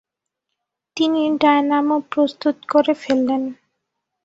তিনি ডায়নামো প্রস্তুত করে ফেললেন।